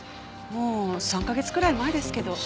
もう３カ月くらい前ですけど。